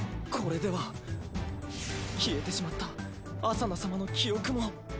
これでは消えてしまったアサナ様の記憶も。